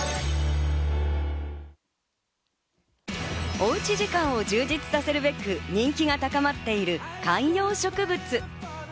おうち時間を充実させるべく人気が高まっている観葉植物。